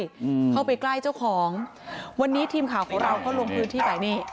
อืมเข้าไปใกล้เจ้าของวันนี้ทีมข่าวของเราก็ลงพื้นที่ไปนี่